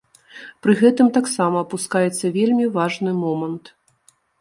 Пры гэтым таксама апускаецца вельмі важны момант.